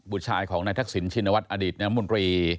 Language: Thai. บุตรชายของนายทักษิณชินวัฒน์อดีตนมรี